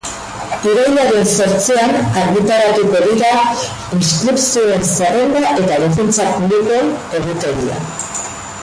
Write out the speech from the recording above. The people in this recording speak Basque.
Irailaren zortzian argitaratuko dira inskripzioen zerrenda eta defentsa publikoaren egutegia.